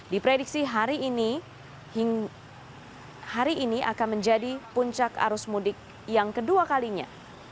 diprediksi hari ini hari ini akan menjadi puncak arus mudik yang kedua kalinya